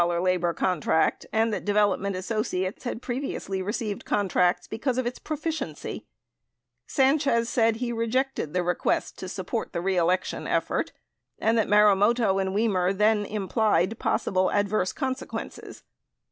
262 36, 13 Hearings 5635 36. 388 not receive a $400,000 labor contract and that Development Associates had previously received contracts because of its proficiency. Sanchez said he rejected the request to support the reelection effort and that Marumoto and Wimer then "implied" possible adverse consequences.